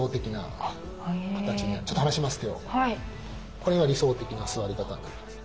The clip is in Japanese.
これが理想的な座り方になります。